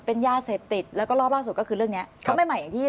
เป็นยาเสพติดแล้วก็รอบล่าสุดก็คือเรื่องเนี้ยก็ไม่ใหม่อย่างที่